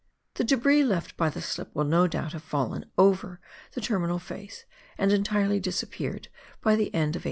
The debris left by the slip will no doubt have fallen over the terminal face and entirely disappeared by the end of 1898.